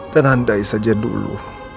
dan andai saja dulu